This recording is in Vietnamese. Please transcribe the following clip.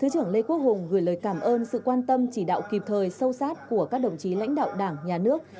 cảm ơn sự quan tâm chỉ đạo kịp thời sâu sát của các đồng chí lãnh đạo đảng nhà nước